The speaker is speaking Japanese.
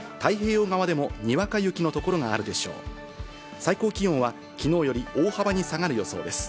最高気温は昨日より大幅に下がる予想です。